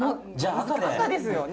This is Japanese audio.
赤ですよね。